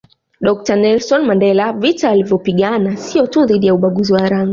Dr Nelson Mandela vita alivyopigana sio tu dhidi ya ubaguzi wa rangi